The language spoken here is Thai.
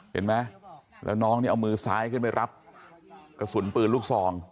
เห็นไหมแล้วน้องนี่เอามือซ้ายขึ้นไปรับกระสุนปืนลูกซอง